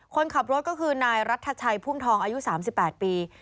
คนขับรถก็คือนายรัฐชัยพุ่มทองอายุ๓๘ปี